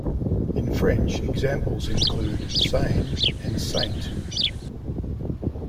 In French, examples include "sain" and "saint".